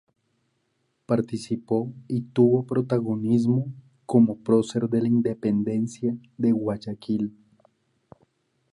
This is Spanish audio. Participó y tuvo protagonismo como prócer de la independencia de Guayaquil.